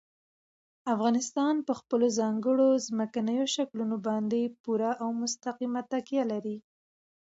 افغانستان په خپلو ځانګړو ځمکنیو شکلونو باندې پوره او مستقیمه تکیه لري.